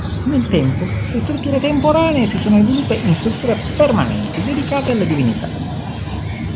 Nel tempo le strutture temporanee si sono evolute in strutture permanenti dedicate alle divinità.